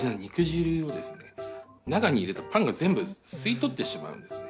中に入れたパンが全部吸い取ってしまうんですね。